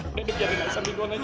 udah dikirain aisyah minuman aja